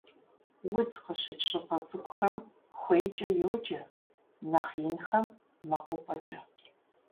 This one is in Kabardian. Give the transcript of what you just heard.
Удз къыщыкӀ щӀыпӀэ цӀыкӀухэм хуейкӀэ йоджэ, нэхъ инхэм - мэкъупӀэкӀэ.